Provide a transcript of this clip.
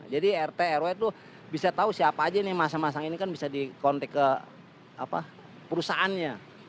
jadi rt rw itu bisa tahu siapa saja yang masing masing ini kan bisa dikontek ke perusahaannya